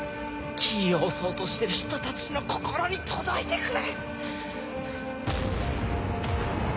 キーを押そうとしてる人たちの心に届いてくれ！